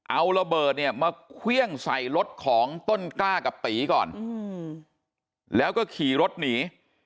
เอาระเบิดเนี่ยมาเครื่องใส่รถของต้นกล้ากับตีก่อนแล้วก็ขี่รถหนี